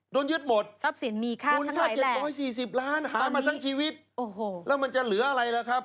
โดนยึดหมดมูลค่า๗๔๐ล้านหามาทั้งชีวิตแล้วมันจะเหลืออะไรล่ะครับ